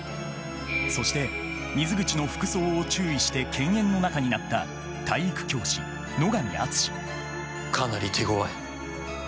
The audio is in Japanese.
そして水口の服装を注意して犬猿の仲になった体育教師野上厚かなり手ごわい。